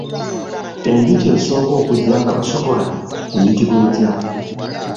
Enjuki esooka okujja nga basogola eyitibwa etya?